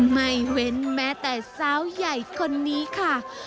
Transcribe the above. ไม่เว้นแม้แต่สาวใหญ่คนนี้ค่ะ